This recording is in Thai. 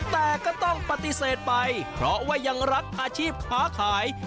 แต่ก็ต้องปฏิเสธไปเพราะว่ายังรักอาชีพค้าขาย